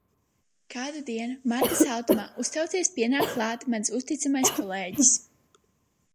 Kādu dienu, marta saltumā, uztraucies pienāk klāt mans uzticamais kolēģis.